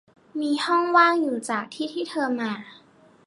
มีห้องว่างอยู่จากที่ที่เธอมา